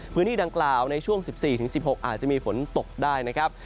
พื้นที่ดังกล่าวในช่วง๑๔๑๖อาจจะมีฝนตกได้นะครับ